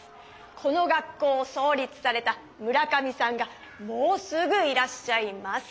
この学校をそう立された村上さんがもうすぐいらっしゃいます。